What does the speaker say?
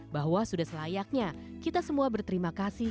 bahwa sudah selayaknya kita semua berterima kasih